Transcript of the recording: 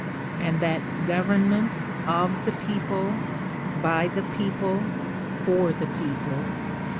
and that government of the people. . .by the people. . .for the people. .